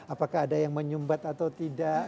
apakah ada yang menyumbat atau tidak